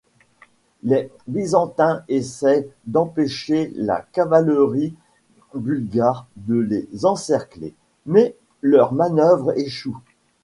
Les Byzantins essayent d'empêcher la cavalerie bulgare de les encercler, mais leurs manœuvres échouent.